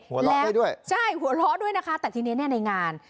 หัวเราะด้วยใช่หัวเราะด้วยนะคะแต่ทีนี้เนี่ยในงาน